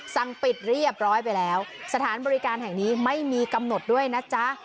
สั่งปิดเรียบร้อยไปแล้วสถานบริการแห่งนี้ไม่มีกำหนดด้วยนะจ๊ะ